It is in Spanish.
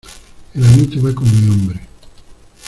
el amito va con mi hombre.